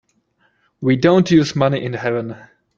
We don't use money in heaven.